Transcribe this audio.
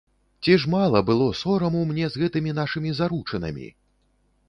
Ці ж мала было сораму мне з гэтымі нашымі заручынамі?